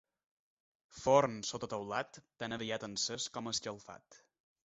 Forn sota teulat, tan aviat encès com escalfat.